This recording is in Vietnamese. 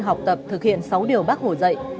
học tập thực hiện sáu điều bác hổ dậy